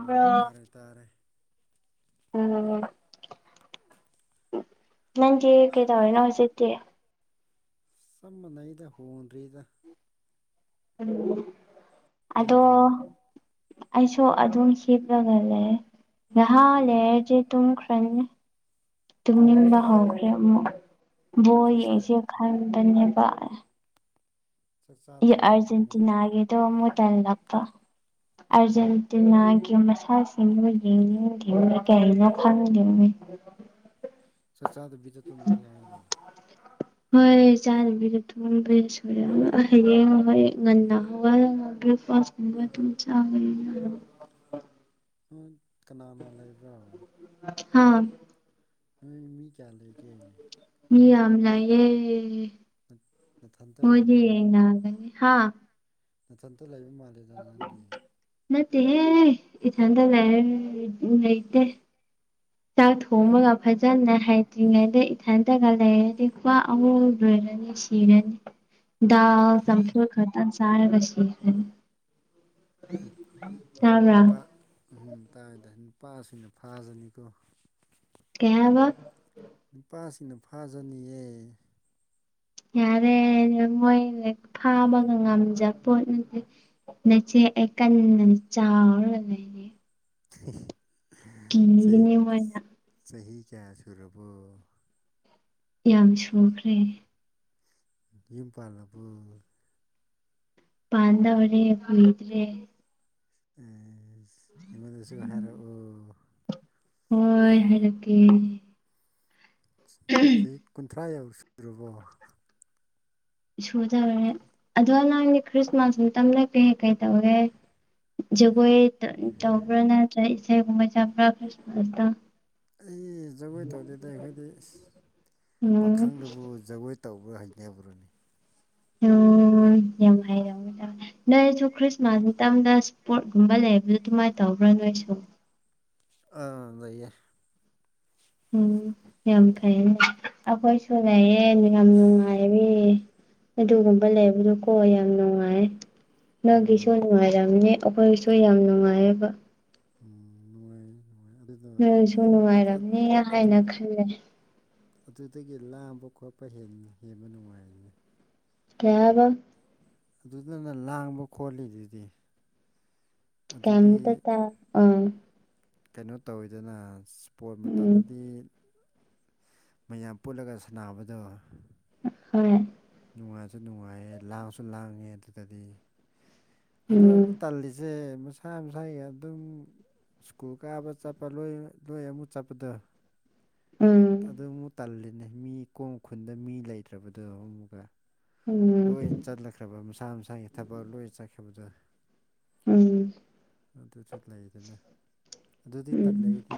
ꯑꯣ ꯇꯥꯔꯦ ꯇꯥꯔꯦ ꯑꯣ [inaudible] ꯅꯪꯗꯤ ꯀꯩꯇꯧꯔꯤꯅꯣ ꯍꯧꯖꯤꯛꯇꯤ ꯆꯞ ꯃꯥꯟꯅꯩꯗ ꯍꯣꯡꯗ꯭ꯔꯤꯗ ꯎꯝ ꯑꯗꯣ ꯅꯪꯗꯤ ꯑꯩꯁꯨ ꯑꯗꯨꯝ ꯍꯤꯞꯂꯒ ꯂꯩ ꯉꯍꯥ ꯎꯝ ꯂꯩꯔꯗꯤ ꯇꯨꯝꯈ꯭ꯔ ꯇꯜꯂꯦ ꯇꯨꯡꯅꯤꯡꯕ ꯍꯧꯈ꯭ꯔꯦ ꯑꯃꯨꯛ ꯏꯁ ꯕꯣꯏ ꯌꯦꯛꯁꯦ ꯈꯟꯕꯅꯦꯕ ꯆꯥꯛꯆꯥ ꯆꯥꯛ ꯏ ꯆꯥꯗꯕꯤꯗ ꯇꯨꯝꯃ ꯑꯔꯖꯦꯟꯇꯤꯅꯥꯒꯤꯗꯣ ꯑꯃꯨꯛ ꯇꯜꯂꯛꯄ ꯑꯥꯔꯖꯦꯟꯇꯤꯅꯥꯒꯤ ꯃꯁꯛꯁꯤꯡꯗꯨ ꯌꯦꯡꯅꯤꯡꯗꯦꯃꯤ ꯀꯩꯅꯣ ꯈꯪꯗꯦꯅꯦ ꯆꯥꯛ ꯆꯥꯗꯕꯤꯗ ꯇꯨꯝꯅꯤꯡꯉꯦ ꯍꯥꯏꯔꯣ ꯍꯣꯏ ꯆꯥꯛꯄꯨꯗꯤ [unintelligible] ꯍꯌꯦꯡ ꯍꯣꯏ ꯉꯟꯅ ꯍꯧꯒꯠꯂꯒ ꯕꯔ꯭ꯦꯛꯐꯥꯁ [unintelligible] ꯎꯝ ꯀꯅꯥꯅ ꯂꯩꯕ꯭ꯔꯥ ꯍꯥꯥ ꯅꯣꯏ ꯃꯤ ꯀꯌꯥ ꯂꯩꯒꯦ ꯃꯤ ꯌꯥꯝ ꯂꯩꯌꯦ ꯅꯊꯟꯇ ꯃꯣꯏꯗꯤ ꯂꯩꯕ꯭ꯔꯣ ꯌꯦꯡꯅꯒꯅꯤ ꯍꯥ ꯅꯊꯟꯇ ꯂꯩꯕ ꯃꯥꯜꯂꯤꯗ ꯅꯪꯗꯤ ꯅꯠꯇꯦꯍꯦ ꯏꯊꯟꯗ ꯂꯩꯔ ꯂꯩꯇꯦ ꯆꯥꯛ ꯊꯣꯡꯕꯒ ꯐꯖ ꯖꯅ ꯍꯩꯇ꯭ꯔꯤꯉꯩꯗ ꯏꯊꯟꯇꯒ ꯂꯩꯔꯗꯤ ꯋꯥ ꯑꯍꯨꯝ ꯂꯣꯏꯔꯅꯤ ꯁꯤꯔꯅꯤ ꯗꯥꯜ ꯆꯝꯐꯨꯠ ꯈꯇꯪ ꯆꯥꯔꯒ ꯁꯤꯈꯔ꯭ꯅꯤ ꯇꯥꯕꯔꯥ ꯎꯝꯨ ꯇꯥꯏ ꯇꯥꯏ ꯅꯨꯄꯥꯁꯤꯡꯅ ꯐꯥꯖꯅꯤꯀꯣ ꯀꯩ ꯍꯥꯏꯕ ꯅꯨꯄꯥꯁꯤꯡꯅ ꯐꯥꯖꯅꯤꯌꯦ ꯌꯥꯔꯦ ꯃꯣꯏꯙ ꯐꯥꯕꯒ ꯉꯝꯖꯄꯣꯠ ꯅꯠꯇꯦ ꯅꯆꯦ ꯑꯩ ꯀꯟꯅ ꯆꯥꯎꯔꯒ ꯂꯩꯅꯦ ꯆꯍꯤ ꯀꯤꯒꯅꯤ ꯃꯣꯏꯅ ꯆꯍꯤ ꯀꯌꯥ ꯁꯨꯔꯕꯣ ꯌꯥꯝ ꯁꯨꯈ꯭ꯔꯦ ꯌꯨꯝ ꯄꯥꯥꯜꯂꯕꯣ ꯄꯥꯟꯗꯧꯔꯦ ꯀꯨꯏꯗ꯭ꯔꯦ ꯑꯦꯁ ꯑꯩꯉꯣꯟꯗꯁꯨ ꯍꯥꯏꯔꯛꯑꯣ ꯍꯣꯏ ꯍꯥꯏꯔꯛꯀꯦ ꯆꯍꯤ ꯀꯨꯟꯊ꯭ꯔꯥ ꯌꯧ ꯁꯨꯔꯕꯣ ꯁꯨꯗꯧꯔꯦ ꯑꯗꯣ ꯅꯪꯗꯤ ꯈ꯭ꯔꯤꯁꯃꯥꯁ ꯃꯇꯝꯗ ꯀꯩ ꯀꯩ ꯇꯧꯔꯦ ꯖꯒꯣꯏ ꯇꯧꯕ꯭ꯔꯥ ꯅꯠꯇꯔ ꯏꯁ ꯁꯩꯒꯨꯝꯕ ꯆꯠꯄꯔ ꯈꯔ꯭ꯤꯁꯃꯥꯁꯇ ꯑꯩ ꯖꯒꯣꯏ ꯇꯧꯗꯦꯗꯤ ꯑꯩꯈꯣꯏꯗꯤ ꯎꯝ ꯄꯥꯈꯪꯅꯕꯨ ꯖꯒꯣꯏ ꯇꯧꯕ꯭ꯔ ꯍꯩꯅꯕ꯭ꯔꯅꯦ ꯑꯣ ꯌꯥꯝ ꯍꯩ ꯅꯣꯏꯁꯨ ꯈ꯭ꯔꯤꯁꯃꯥꯁ ꯃꯇꯝꯗ ꯏꯁꯄꯣꯔꯠꯀꯨꯝꯕ ꯂꯩꯕꯗ ꯑꯗꯨꯃꯥꯏ ꯇꯧꯕ꯭ꯔ ꯅꯣꯏꯁꯨ ꯑꯥ ꯂꯩꯌꯦ ꯎꯝ ꯌꯥꯝ ꯐꯩꯅꯦ ꯑꯈꯣꯏꯁꯨ ꯂꯩꯌꯦ ꯌꯥꯝ ꯅꯨꯡꯉꯥꯏꯔꯦ ꯑꯗꯨꯒꯨꯝꯕ ꯂꯩꯕꯗꯨ ꯀꯣ ꯌꯥꯝ ꯅꯨꯡꯉꯥꯏꯌꯦ ꯅꯪꯒꯤꯁꯨ ꯎꯝ ꯅꯨꯡꯉꯥꯏꯔꯝꯅꯤ ꯑꯈꯣꯏꯁꯨ ꯌꯥꯝ ꯅꯨꯡꯉꯥꯏꯌꯦꯕ ꯎꯝ ꯅꯨꯡꯉꯥꯏꯌꯦ ꯅꯣꯏꯁꯨ ꯅꯨꯡꯉꯥꯏꯔꯝꯅꯤ ꯑꯗꯨ ꯍꯥꯏꯅ ꯈꯜꯂꯦ ꯑꯗꯨꯗꯒꯤ ꯂꯥꯡꯕ ꯈꯣꯠꯄ ꯍꯦꯟꯕ ꯅꯨꯡꯉꯥꯏꯅꯦ ꯀꯩ ꯍꯥꯏꯕ ꯑꯗꯨꯗꯅ ꯂꯥꯡꯕ ꯈꯣꯠꯂꯤꯗꯨꯗꯤ ꯑꯗꯨꯗꯤ ꯀꯩꯝꯇ ꯇꯥ ꯑ ꯀꯩꯅꯣ ꯇꯧꯋꯤꯗꯅ ꯏꯁꯄꯣꯔꯠ ꯎꯝ ꯃꯇꯝꯗꯗꯤ ꯃꯌꯥꯝ ꯄꯨꯜꯂꯒ ꯁꯥꯅꯥꯕꯗꯣ ꯍꯣꯏ ꯅꯨꯡꯉꯥꯏꯖꯨ ꯅꯨꯡꯉꯥꯏꯌꯦ ꯂꯥꯡꯁꯨ ꯂꯥꯡꯉꯦ ꯑꯗꯨꯗꯗꯤ ꯑꯗꯨ ꯑꯃꯨꯛ ꯎꯝ ꯇꯜꯂꯤꯖꯦ ꯃꯁꯥ ꯃꯁꯥꯒꯤ ꯑꯗꯨꯝ ꯁ꯭ꯀꯨꯜ ꯀꯥꯕ ꯆꯠꯄ ꯂꯣꯏ ꯂꯣꯏ ꯑꯃꯨꯛ ꯆꯠꯄꯗ ꯎꯝ ꯑꯗꯨ ꯑꯃꯨꯛ ꯇꯜꯂꯤꯅ‌ꯦ ꯃꯤ ꯀꯣꯡ ꯈꯨꯟꯗ ꯃꯤ ꯂꯩꯇ꯭ꯔꯕꯗꯣ ꯑꯃꯨꯛꯀꯥ ꯎꯝ ꯂꯣꯏꯅ ꯆꯠꯅꯈ꯭ꯔꯕ ꯃꯁꯥ ꯃꯁꯥꯒꯤ ꯊꯕꯛ ꯂꯣꯏꯅ ꯆꯠꯈꯤꯕꯗ ꯎꯝ ꯑꯗꯨꯖꯨ ꯂꯩꯗꯅ ꯑꯗꯨꯗꯤ ꯇꯜꯂꯦ ꯎꯝ ꯑꯩꯗꯤ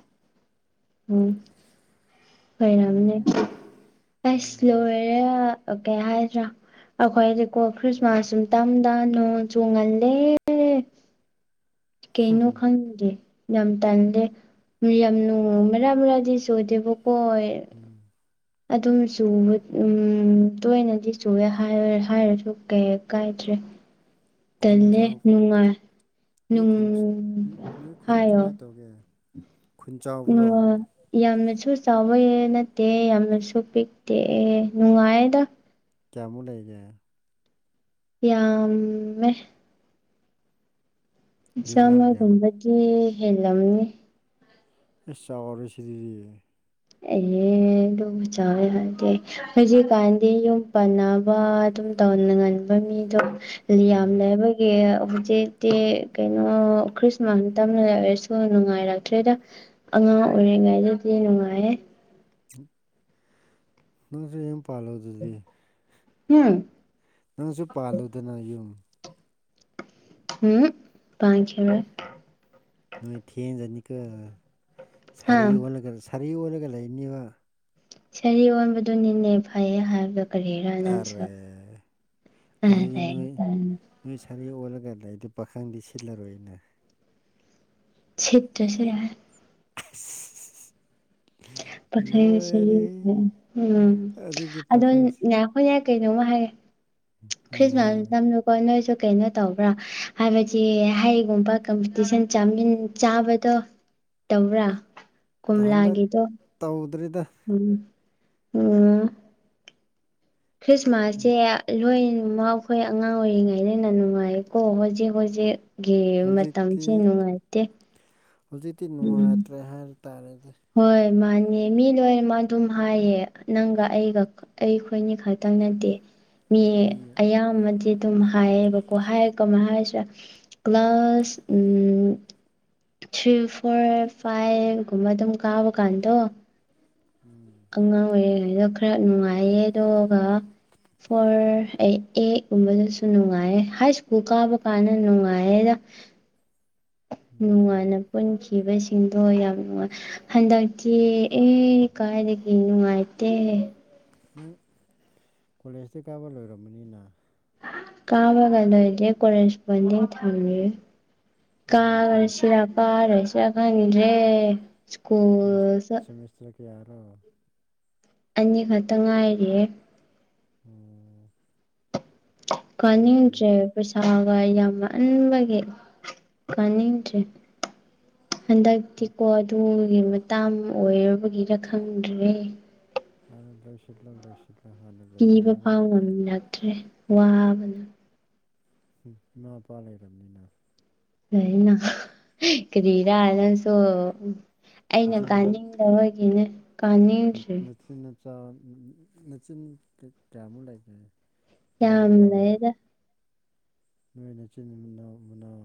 ꯑꯣꯏꯔꯝꯅꯦ ꯎꯝ ꯑꯁ ꯎꯝ ꯂꯣꯏꯔꯦ ꯀꯩ ꯍꯥꯏꯗ꯭ꯔꯥ ꯑꯩꯈꯣꯏꯗꯤꯀꯣ ꯈ꯭ꯔꯤꯁꯃꯥꯁ ꯁꯨꯇꯝꯗ ꯅꯣꯡ ꯆꯣꯡꯉꯜꯂꯦ ꯀꯩꯅꯣ ꯈꯪꯗꯦ ꯌꯥꯝ ꯇꯗ‌ꯦ ꯌꯥꯝꯅ ꯃꯔꯛ ꯃꯔꯛꯗꯤ ꯁꯣꯏꯗꯦꯕꯀꯣ ꯎꯝ ꯑꯗꯨꯝ ꯆꯨꯕ ꯎꯝ ꯇꯣꯏꯅꯗꯤ ꯆꯨꯑꯦ ꯍꯥꯏꯔ ꯍꯥꯏꯔꯁꯨ ꯀꯩ ꯀꯥꯏꯗ꯭ꯔꯦ ꯈꯨꯟ ꯇꯟꯂꯦ ꯆꯥꯎ ꯅꯨꯡꯉꯥꯏ ꯅꯣꯏ ꯅꯨꯡ ꯈꯨꯟ ꯅꯣꯏ ꯈꯨꯟ ꯍꯥꯏꯌꯣ ꯀꯃꯥꯏꯅ ꯇꯧꯒꯦ ꯈꯨꯟ ꯆꯥꯎꯕ꯭ꯔꯣ [unintelligible] ꯌꯥꯝꯅꯁꯨ ꯆꯥꯎꯌ‌ꯦ ꯅꯠꯇꯦ ꯌꯥꯝꯅꯁꯨ ꯄꯤꯛꯇꯦ ꯅꯨꯡꯉꯥꯏꯌꯦꯗ ꯀꯌꯥꯃꯨꯛ ꯂꯩꯒꯦ ꯌꯥꯝꯃꯦ ꯒꯦꯝꯂꯥꯡꯒ꯭ꯌꯥꯝ ꯆꯥꯝꯃꯒꯨꯝꯕꯗꯤ ꯍꯦꯜꯂꯝꯅꯤ ꯏꯁ ꯆꯥꯎꯔꯦ ꯁꯤꯔꯤ ꯑ‌ꯦ ꯍ‌ꯦ ꯑꯗꯨꯕꯨ ꯆꯥꯎꯋ‌ꯦ ꯍꯥꯏꯗ‌ꯦ ꯍꯧꯖꯤꯛꯀꯥꯟꯗꯤ ꯌꯨꯝ ꯄꯥꯟꯅꯕ ꯑꯗꯨꯝ ꯇꯧꯅ ꯉꯟꯕ ꯃꯤꯗꯣ ꯀꯌꯥꯝ ꯎꯝ ꯂꯩꯕ [unintelligible] ꯍꯧꯖꯤꯛꯇꯤ ꯀꯩꯅꯣ ꯈ꯭ꯔꯤꯁꯃꯥꯁ ꯇꯝꯅ ꯂꯩ ꯑꯣꯏꯔꯁꯨ ꯅꯨꯡꯉꯥꯏꯔꯛꯇ꯭ꯔꯦꯗ ꯑꯉꯥꯡ ꯑꯣꯏꯔꯤꯉꯩꯗꯗꯤ ꯅꯨꯡꯉꯥꯏꯌꯦ ꯅꯪꯖꯨ ꯌꯨꯝ ꯄꯥꯜꯂ ꯗꯨꯗꯤ ꯍꯨꯝ ꯅꯪꯁꯨ ꯄꯥꯜꯂ‌ꯦꯗꯅ ꯌꯨꯝ ꯍꯨꯝ ꯄꯥꯟꯈꯤꯔꯣꯏ ꯅꯣꯏ ꯊꯦꯡꯖꯅꯤꯀꯣ ꯍꯥ ꯁꯥꯔꯤ ꯑꯣꯜꯂꯒ ꯁꯥꯔꯤ ꯑꯣꯜꯂꯒ ꯂꯩꯅꯤꯕ ꯁꯔꯤ ꯑꯣꯟꯕꯗꯨꯅꯤꯅꯦ ꯐꯩꯌꯦ ꯍꯥꯏꯕꯗꯣ ꯀꯔꯤꯔ ꯅꯪꯁꯨ ꯑꯔꯦ ꯑꯗꯨꯗꯤ ꯅꯣꯏ [unintelligible] ꯅꯣꯏ ꯁꯥꯔꯤ ꯑꯣꯜꯂꯒ ꯂꯩꯗꯤ ꯄꯥꯈꯪꯗꯤ ꯁꯤꯠꯂꯔꯣꯏꯅ‌ꯦ ꯁꯤꯠꯇ꯭ꯔꯖꯨ ꯌꯥꯏ [unintelligible] ꯄꯥꯈꯪ ꯂꯣꯏꯔꯦꯍꯦ ꯁꯔꯤꯁꯦ ꯎꯝ ꯑꯗꯨꯗꯤ ꯄꯥꯈꯪꯁ ꯍꯣꯏꯅꯦ ꯀꯩꯅꯣꯝꯃ ꯍꯥꯏꯒꯦ ꯎꯝ ꯈ꯭ꯔꯤꯁꯃꯥꯁ ꯍꯥꯏꯌꯨ ꯃꯇꯝꯗꯨ ꯀꯣ ꯅꯣꯏꯁꯨ ꯀꯩꯅꯣ ꯇꯧꯕ꯭ꯔꯥ ꯍꯥꯏꯕꯗꯤ ꯍꯩꯒꯨꯝꯕ ꯀꯝꯄꯤꯇꯤꯁꯟ ꯆꯥꯃꯤꯟ ꯆꯥꯕꯗꯣ ꯇꯧꯕ꯭ꯔꯥ ꯇꯍꯟ ꯗꯛ ꯀꯣꯝꯂꯥꯒꯤꯗꯣ ꯇꯧꯗ꯭ꯔꯤꯗ ꯎꯝ ꯑꯣ ꯎꯝ ꯈ꯭ꯔꯤꯁꯃꯥꯁꯁꯦ ꯔ‌ꯣꯏꯟ ꯉꯥꯎꯐꯩ ꯑꯉꯥꯡ ꯑꯣꯏꯔꯤꯉꯩꯅ ꯍ‌ꯦꯟꯅ ꯅꯨꯡꯉꯥꯏꯀꯣ ꯍꯧꯖꯤꯛ ꯍꯧꯖꯤꯛ ꯒꯤ ꯍꯧꯖꯤꯛꯇꯤ ꯃꯇꯝꯁꯦ ꯅꯨꯡꯉꯥꯏꯇꯦ ꯍꯧꯖꯤꯛꯇꯤ ꯎꯝ ꯅꯨꯡꯉꯥꯏꯇ꯭ꯔꯦ ꯍꯥꯏꯕ ꯇꯥꯔꯦꯗ ꯍꯣꯏ ꯃꯥꯅꯦ ꯃꯤ ꯂꯣꯏꯅꯃꯛ ꯑꯗꯨꯝ ꯍꯥꯏꯌꯦ ꯅꯪꯒ ꯑꯩꯒ ꯑꯩꯈꯣꯏꯅꯤ ꯈꯛꯇꯪ ꯅꯠꯇꯦ ꯃꯤ ꯃꯤꯅ ꯑꯌꯥꯝꯕꯗꯤ ꯑꯗꯨꯝ ꯍꯥꯏꯌꯦꯕꯀꯣ ꯍꯥꯏꯔ ꯀꯃꯥꯏ ꯍꯥꯏꯁꯤꯔ ꯀ꯭ꯂꯥꯁ ꯑꯝ ꯊ꯭ꯔꯤ ꯐꯣꯔ ꯐꯥꯏꯚꯒꯨꯝꯕ ꯑꯗꯨꯝ ꯀꯥꯕ ꯀꯥꯟꯗꯣ ꯎꯝ ꯑꯉꯥꯡ ꯑꯣꯏꯔꯤꯉꯩꯗ ꯈꯔ ꯅꯨꯡꯉꯥꯏꯌꯦ ꯑꯗꯨꯒ ꯐꯣꯔ ꯑꯩ ꯑꯩꯠꯒꯨꯝꯕꯗꯁꯨ ꯅꯨꯡꯉꯥꯏꯌꯦ ꯍꯥꯏ ꯁ꯭ꯀꯨꯜ ꯀꯥꯕ ꯀꯥꯟꯗ ꯅꯨꯡꯉꯥꯏꯌꯦꯗ ꯎꯝ ꯅꯨꯡꯉꯥꯏꯅ ꯄꯨꯟꯈꯤꯕꯁꯤꯡꯗꯣ ꯌꯥꯝ ꯍꯟꯗꯛꯇꯤ ꯑꯦ ꯄꯥꯥꯛꯅꯗꯤ ꯄꯨꯟ ꯅꯨꯡꯉꯥꯏꯇꯦ ꯅꯪ ꯀꯣꯂꯦꯖꯇꯤ ꯀꯥꯕ ꯂꯣꯏꯔꯝꯃꯅꯤꯅꯦ ꯀꯥꯕꯒꯩꯒꯩꯗꯤ ꯀꯣꯂꯦꯁꯄꯣꯟꯗꯤꯡ ꯊꯝꯃꯦ ꯑꯣ ꯁꯦꯃꯤꯁ ꯀꯥꯁꯤꯔ ꯀꯥꯔꯣꯏꯁꯤꯔ ꯈꯪꯗ꯭ꯔꯦ ꯁꯤꯃꯤꯁ ꯁ꯭ꯀꯨꯜꯁꯨ ꯁꯃꯤꯁꯇꯔ ꯀꯌꯥꯔꯣ ꯑꯅꯤꯈꯛꯇ ꯉꯥꯏꯔꯤꯑꯦ ꯑꯣ ꯐꯩ ꯐꯩ ꯀꯥꯅꯤꯡꯗ꯭ꯔꯦ ꯑꯗꯨꯗꯤ ꯄꯩꯁꯥꯒ ꯌꯥꯝꯃꯟꯕꯒꯤ ꯀꯥꯅꯤꯡꯗ꯭ꯔꯦ ꯍꯟꯗꯛꯇꯤꯀꯣ ꯇꯨꯡꯒꯤ ꯃꯇꯥꯡ ꯑꯣꯏꯔꯕꯒꯤꯔ ꯈꯪꯗ꯭ꯔꯦ ꯍꯥꯟꯅꯥ ꯂꯣꯏꯁꯤꯜꯂꯣ ꯂꯣꯏꯁꯤꯜꯂꯣ ꯍꯥꯟꯅꯥ ꯄꯤꯕ ꯐꯥꯎ ꯉꯝꯂꯛꯇ꯭ꯔꯦ ꯋꯥꯕꯅ ꯎꯝ ꯏꯃꯥ ꯃꯄꯥ ꯂꯩꯔꯕꯅꯤꯅ ꯂꯩꯅ ꯀꯔꯤꯔꯥ ꯅꯪꯁꯨ ꯑꯩꯅ ꯅꯆꯤꯟ ꯀꯥꯅꯤꯡꯗꯕꯒꯤꯅꯦ ꯀꯥꯅꯤꯡꯗ꯭ꯔꯤ ꯅꯆꯤꯟ ꯅꯆꯥ ꯅꯆꯤꯟ ꯀꯌꯥꯃꯨꯛ ꯂꯩꯒꯦ ꯌꯥꯝ ꯅꯌꯥꯝꯕ ꯂꯩꯗ ꯅꯣꯏꯅꯆꯤꯟ ꯃꯅꯥꯎ ꯃꯅꯥꯎ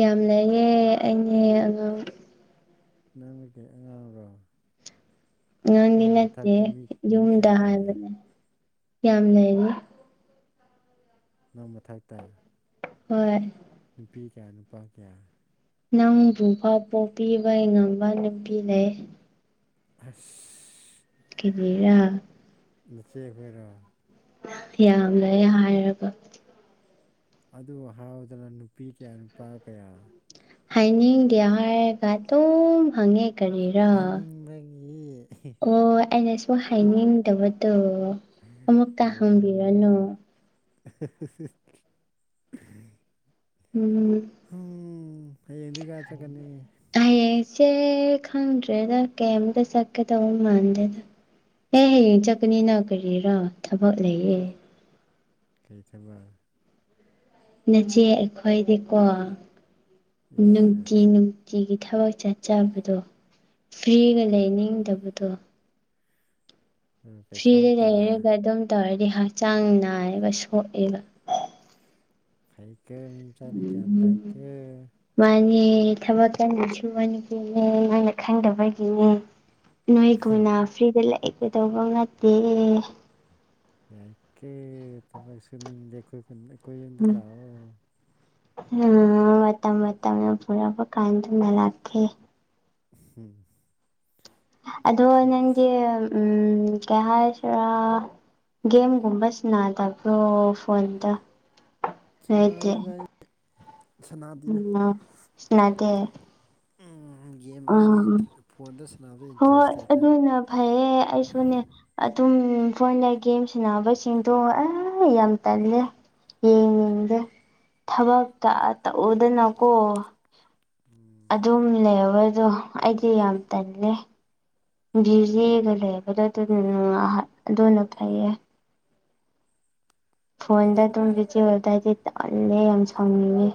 ꯌꯥꯝ ꯂꯩꯌꯦ ꯑꯩꯅꯦ ꯑꯉꯥꯡ ꯅꯪꯅꯥꯀꯩ ꯑꯉꯥꯡꯔꯣ ꯑꯉꯥꯡꯗꯤ ꯅꯪ ꯅꯠꯇꯦ ꯃꯊꯛꯇ ꯃꯤ ꯃꯤ ꯌꯨꯝꯗ ꯀꯌꯥ ꯂꯩꯒꯦ ꯍꯥꯏꯕꯅꯦ ꯌꯥꯝ ꯂꯩꯔꯤ ꯅꯪ ꯃꯊꯛꯇ ꯍꯣꯏ ꯅꯨꯄꯤ ꯀꯌꯥ ꯅꯨꯄꯥ ꯀꯌꯥ ꯅꯪꯕꯨꯐꯥꯎ ꯄꯣꯛꯄꯤꯕꯩꯉꯝꯕ ꯅꯨꯄꯤ ꯂꯩ ꯑꯁ ꯀꯦꯕꯤꯔꯥ ꯅꯆꯦ ꯑꯩꯈꯣꯏꯔꯣ ꯌꯥꯝ ꯂꯩ ꯍꯥꯏꯔꯒ ꯑꯗꯨ ꯍꯥꯎꯗꯅ ꯅꯨꯄꯤ ꯀꯌꯥ ꯅꯨꯄꯥ ꯀꯌꯥ ꯍꯥꯏꯅꯤꯡꯗꯦ ꯍꯥꯏꯔꯒ ꯑꯗꯨꯝ ꯍꯪꯉꯦ ꯀꯔꯤꯔ꯭ ꯍꯥꯅꯤꯡꯕꯒꯤ ꯑꯣ ꯑꯩꯅꯁꯨ ꯑꯣ ꯍꯥꯏꯅꯤꯡꯗꯕꯗꯣ ꯑꯃꯨꯀ ꯑꯣ ꯍꯪꯕꯤꯔꯅꯨ [inaudible] ꯎꯝ ꯎꯝ ꯍꯥꯌꯦꯡꯗꯤ ꯀꯥꯢ ꯆꯠꯀꯅꯤ ꯍꯌꯦꯡꯁꯦ ꯈꯪꯗ꯭ꯔꯦꯗ ꯀꯩꯝꯇ ꯆꯠꯀꯗꯧꯕ ꯃꯥꯟꯗꯦꯗ ꯑꯦ ꯍꯌꯦꯡ ꯆꯠꯀꯅꯤꯅ ꯀꯔꯤꯔ ꯊꯕꯛ ꯂꯩꯌꯦ ꯀꯩ ꯊꯥꯕꯛ ꯅꯆꯦ ꯑꯩꯈꯣꯏꯗꯤꯀꯣ ꯏꯁ ꯅꯨꯡꯇꯤ ꯑꯠꯁ ꯅꯨꯡ ꯇꯤꯒꯤ ꯊꯕꯛ ꯆꯠꯆꯕꯗꯣ ꯐ꯭ꯔꯤꯒ ꯂꯩꯅꯤꯡꯗꯕꯗꯣ ꯄꯩꯁꯥ ꯐ꯭ꯔꯤꯗ ꯇꯥ ꯂꯩꯔꯒ ꯑꯗꯨꯝ ꯇꯧꯔꯗꯤ ꯍꯛꯆꯥꯡ ꯅꯥꯏꯕ ꯁꯣꯛꯑꯦꯕꯒꯥ ꯐꯩꯇꯦꯝ ꯎꯝ ꯎꯝ ꯃꯥꯅꯦ ꯊꯕꯛ ꯀꯟꯅꯁꯨꯕꯥ ꯅꯨꯄꯤꯅꯦ ꯃꯥꯏ ꯃꯈꯥꯗꯕꯒꯤꯅꯦ ꯅꯣꯏ ꯀꯨꯏꯅ ꯐ꯭ꯔꯤꯗ ꯂꯩ ꯀꯩꯗꯧꯕ ꯅꯠꯇꯦꯍꯦ ꯌꯥꯏꯀꯦ ꯊꯕꯛ ꯁꯨꯅꯤꯡꯗꯦ ꯈꯣꯏ ꯈꯨꯟꯗꯥ ꯀꯣꯏꯌꯨꯝꯗ ꯎꯝ ꯂꯥꯛꯑꯣ ꯎꯝ ꯃꯇꯝ ꯃꯇꯝ ꯌꯧꯁꯜꯂꯛꯄ ꯀꯥꯟꯗꯨ ꯃꯥꯏ ꯂꯥꯛꯀꯦ ꯎꯝ ꯑꯗꯣ ꯅꯪꯗꯤ ꯎꯝ ꯀꯩꯍꯥꯏꯁꯤꯔ ꯒꯦꯝꯒꯨꯝꯕꯁ ꯅꯥꯗꯕ꯭ꯔꯣ ꯐꯣꯟꯣꯟꯗ ꯁꯅꯥꯔꯗꯥꯏ ꯎꯝꯗꯦ ꯒꯦꯝ ꯑꯩꯗꯤ ꯐꯣꯟꯗ ꯁꯥꯟꯅꯕꯗ ꯍꯣꯏ ꯏꯟꯇꯔꯦꯁ ꯂꯩꯇꯦ ꯑꯗꯨꯅ ꯐꯩꯌꯦ ꯑꯩꯁꯨꯅꯦ ꯑꯗꯨꯝ ꯐꯣꯟꯗ ꯒꯦꯝ ꯁꯥꯟꯅꯕꯁꯤꯡꯗꯣ ꯑꯦ ꯌꯥꯝ ꯇꯜꯂꯦ ꯌꯦꯡꯗ ꯊꯕꯛꯇ ꯇꯛꯎꯗꯅꯀꯣ ꯎꯝ ꯑꯗꯨꯝ ꯂꯩꯕꯗꯣ ꯑꯩꯗꯤ ꯌꯥꯝ ꯇꯜꯂꯦ ꯚꯖꯤꯒ ꯂꯩꯕꯗꯣ ꯑꯗꯨ ꯑꯗꯨꯅ ꯐꯩꯌꯦ ꯐꯣꯟꯗ ꯑꯗꯨꯝ ꯕꯤꯖꯤ ꯑꯣꯏꯗꯥꯏꯗꯤ ꯇꯜꯂꯦ ꯌꯥꯝ ꯁꯥꯎꯅꯤꯡꯉꯦ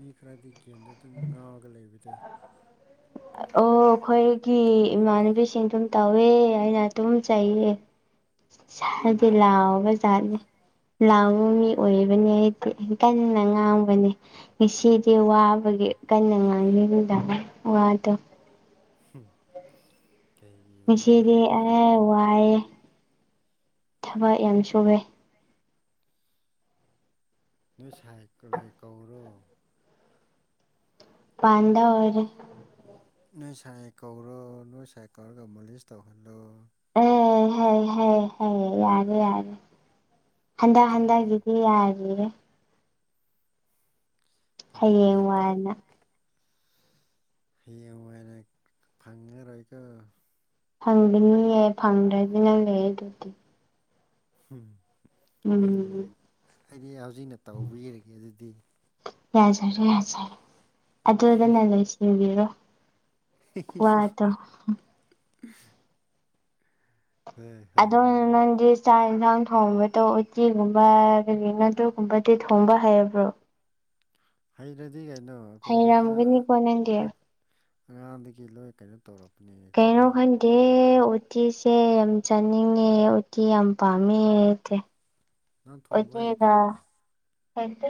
ꯃꯤ ꯈꯔꯗꯤ ꯒꯦꯟꯗ ꯑꯗꯨꯝ ꯉꯥꯎꯔꯒ ꯂꯩꯕꯗꯣ ꯑꯣ ꯑꯩꯈꯣꯏꯒꯤ ꯏꯃꯥꯟꯅꯕꯤꯁꯤꯡ ꯑꯗꯨꯝ ꯇꯧꯋꯦ ꯑꯩꯅ ꯑꯗꯨꯝ ꯆꯩꯌꯦ [unintelligible] ꯍꯥꯏꯗꯤ ꯂꯥꯎꯕ ꯖꯥꯠꯅꯦ ꯂꯥꯎꯕ ꯃꯤ ꯑꯣꯏꯕꯅꯤ ꯍꯥꯏꯗꯤ ꯀꯟꯅ ꯉꯥꯡꯕꯅꯦ ꯉꯁꯤꯗꯤ ꯋꯥꯕꯒꯤ ꯀꯟꯅ ꯉꯥꯡꯉꯗ ꯋꯥꯗ ꯎꯝ ꯉꯆꯦꯗꯤ ꯑ ꯋꯥꯏꯑ ꯊꯕꯛ ꯌꯥꯝ ꯁꯨꯔꯦ ꯅꯣꯏ ꯁꯥꯏꯂꯥꯏ ꯀꯧꯔꯣ ꯄꯥꯟꯗ ꯑꯣꯔ ꯅꯣꯏ ꯁꯥꯏ ꯀꯧꯔꯣ ꯅꯣꯏ ꯁꯥꯏ ꯀꯧꯔꯒ ꯃꯣꯂꯤꯁ ꯇꯧꯍꯜꯂꯣ ꯑꯦ ꯍ ꯌꯥꯅꯤ ꯌꯥꯅꯤ ꯍꯟꯗꯛ ꯀꯩꯒꯤ ꯍꯟꯗꯛꯀꯤꯗꯤ ꯌꯥꯔꯤꯌꯦꯦ ꯀꯅꯥ ꯀꯅꯥ ꯍꯌꯦꯡ ꯇꯁ ꯋꯥꯏꯅ ꯍꯤꯡꯉ ꯍꯥꯏꯅ ꯐꯪꯉꯔꯣꯏꯀꯣ ꯐꯪꯒꯅꯤꯌꯦ ꯐꯪꯗ꯭ꯔꯗꯅ ꯂꯩ ꯑꯗꯨꯗꯤ ꯎꯝ ꯑꯩꯕꯨ ꯎꯝ ꯑꯩꯗꯤ ꯍꯧꯖꯤꯛꯅ ꯇꯧꯕꯤꯔꯒꯦ ꯑꯗꯨꯗꯤ ꯌꯥꯖꯔꯦ ꯌꯥꯖꯔꯦ ꯑꯗꯨꯗꯅ ꯂꯁꯤꯕꯤꯔꯣ ꯋꯥ ꯇ ꯍꯣꯏ ꯍꯣꯏ ꯑꯗꯣ ꯍꯣꯏ ꯍꯣꯏ ꯆꯥꯛ ꯌꯦꯟꯁꯥꯡ ꯊꯣꯡꯕꯗꯣ ꯎꯇꯤꯒꯨꯝꯕ ꯑꯗꯒꯤ ꯉꯥꯗꯨꯨꯒꯨꯝꯕꯗꯤ ꯊꯣꯡꯕ ꯍꯩꯕ꯭ꯔꯣ ꯍꯩꯔꯗꯤ ꯀꯩꯅꯣ ꯑꯩꯈꯣꯏꯗꯤ ꯍꯩꯔꯝꯒꯅꯤ ꯑꯥ ꯀꯣꯟ ꯅꯗꯦ ꯑꯉꯥꯡꯗꯒꯤ ꯂꯣꯏ ꯀꯩꯅꯣ ꯇꯧꯔꯛꯄꯅꯦ ꯑꯩꯈꯣꯏꯗꯤ ꯑ ꯗꯦ ꯎꯇꯤꯁꯦ ꯌꯥꯝ ꯆꯥꯅꯤꯡꯉꯦ ꯎꯇꯤ ꯌꯥꯝ ꯄꯥꯝꯃꯦ ꯑꯇꯦ ꯅꯪ ꯊꯣꯡꯕ ꯍꯩꯇꯔꯣ ꯂꯩꯇ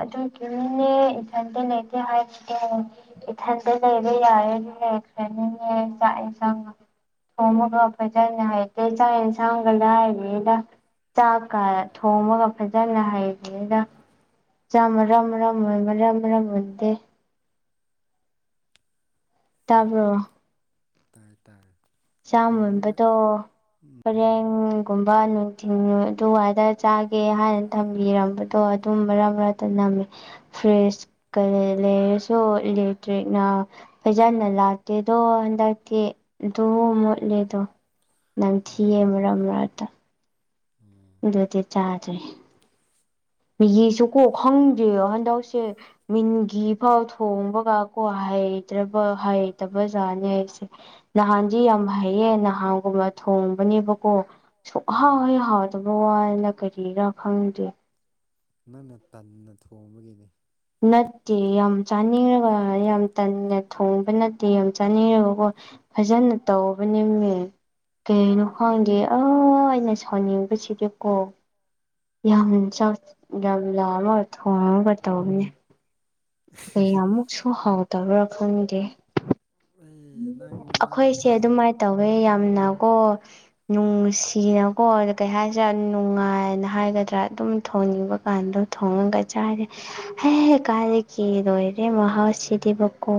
ꯑꯗꯨ ꯀꯅꯦ ꯏꯊꯟꯇ ꯂꯩꯇꯦ ꯍꯥꯏꯔꯒꯦ ꯏꯊꯟꯁꯦ ꯂꯩꯔꯦ ꯌꯥꯔꯦꯗꯤ ꯂꯩꯈ꯭ꯔꯦ ꯆꯥꯛꯦ ꯆꯪ ꯑꯣ ꯃꯒꯄ ꯆꯅꯗ ꯆꯥꯏꯟꯁꯥꯡꯒꯗ ꯍꯥꯏꯗꯥ ꯆꯥꯛꯀ ꯊꯣꯡꯉꯒ ꯐꯖꯅ ꯍꯩ ꯍ ꯆꯥꯃ ꯔꯝ ꯔꯝ ꯑꯣꯏꯃ ꯔ ꯔꯝ ꯍꯗꯦ ꯇꯥꯕꯣ ꯇꯥꯏ ꯇꯥꯏ ꯊꯣꯡꯕꯒ ꯆꯃꯕꯗ ꯎꯝ ꯄꯔꯦꯡꯒꯨꯝꯕ ꯅꯨꯡꯊꯤꯟ ꯑꯗꯨꯋꯥꯏꯗ ꯆꯥꯒꯦ ꯍꯥꯏꯅ ꯊꯝꯕꯤꯔꯝꯕꯗꯣ ꯑꯗꯨꯝ ꯃꯔꯛ ꯃꯔꯛꯇ ꯅꯝꯃꯦ ꯐ꯭ꯔꯦꯁ ꯀ ꯂꯩꯦ ꯁꯣ ꯏꯔꯤ ꯐꯩꯖꯟꯅ ꯂꯥꯛꯇꯦ ꯑꯗꯣ ꯍꯟꯗꯛꯇꯤ ꯇꯣ ꯃꯣꯠꯂꯦꯗꯣ ꯅꯪꯊꯤꯌꯦ ꯑꯥ ꯃꯔꯛ ꯃꯔꯛꯇ ꯎꯝ ꯑꯗꯨꯗꯤ ꯆꯥꯗꯔꯦ ꯃꯤꯒꯤꯁꯨ ꯀꯣ ꯈꯪꯗꯦ ꯍꯟꯗꯛꯁꯦ ꯃꯤꯟꯒꯤ ꯐꯥꯎ ꯊꯣꯡꯕꯒ ꯀꯣ ꯍꯩꯇꯕ ꯖꯥꯠꯅꯤ ꯑꯩꯁꯦ ꯅꯍꯥꯟꯗꯤ ꯌꯥꯝ ꯍꯩꯌꯦ ꯅꯍꯥꯟꯒꯨꯝꯅ ꯊꯣꯡꯕꯅꯦꯕꯀꯣ ꯁꯨꯡꯍꯥꯎ ꯎꯝ ꯍꯦꯛ ꯍꯥꯎꯇ ꯋꯥꯏꯅ ꯀꯔꯤꯔꯥ ꯈꯪꯗꯦ ꯅꯪꯅ ꯇꯟꯅ ꯊꯣꯡꯕꯒꯤꯅꯤ ꯅꯠꯇꯦ ꯌꯥꯝ ꯆꯥꯅꯤꯡꯔꯒ ꯌꯥꯝ ꯇꯟꯅ ꯊꯣꯡꯕ ꯅꯠꯇꯦ ꯌꯥꯝ ꯆꯥꯅꯤꯡꯔꯒꯀꯣ ꯐꯖꯅ ꯇꯧꯕꯅꯦꯃꯤ ꯀꯩꯅꯣ ꯈꯪꯗꯦ ꯑ ꯑꯩꯅ ꯁꯥꯎꯅꯤꯡꯕꯁꯤꯗꯤꯀꯣ ꯌꯥꯝ ꯆꯥꯛ ꯌꯥꯝ ꯂꯥꯝꯃꯒ ꯊꯣꯡꯉꯒ ꯇꯧꯅꯦ ꯀꯩꯑꯃꯨꯛꯁꯨ ꯍꯧꯗꯕ꯭ꯔꯥ ꯈꯪꯗꯦ ꯑꯩ ꯅꯪ ꯅꯪꯅ ꯑꯩꯈꯣꯏꯁꯦ ꯆꯥꯅꯤꯡ ꯑꯗꯨꯃꯥꯏꯅ ꯇꯧꯋꯦ ꯌꯥꯝꯅꯀꯣ ꯎꯝ ꯅꯨꯡꯁꯤꯅ ꯀꯣ ꯑꯗꯨꯗ ꯀꯩ ꯍꯥꯏꯁꯤꯔꯥ ꯅꯨꯡꯉꯥꯏꯅ ꯍꯥꯏꯒꯗ꯭ꯔꯥ ꯑꯗꯨꯝ ꯊꯣꯡꯅꯤꯡꯕ ꯀꯥꯟꯗ ꯊꯣꯡꯉꯒ ꯆꯥꯔꯦ ꯍꯦ ꯀꯥꯏꯗꯒꯤ ꯂꯣꯏꯔꯦ ꯃꯍꯥꯎ ꯁꯤꯗꯤꯕꯀꯣ